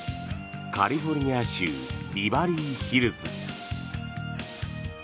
カリフォルニア州ビバリーヒルズ。